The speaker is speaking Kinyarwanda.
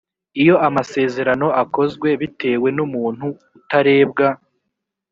iyo amasezerano akozwe bitewe n umuntu utarebwa